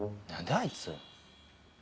あいつ。